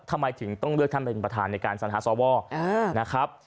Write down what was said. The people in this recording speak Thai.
ทำไมถึงต้องเลือกท่านเป็นประธานในการสัญหาสวนะครับ